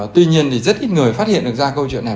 tuy nhiên thì rất ít người phát hiện được ra câu chuyện này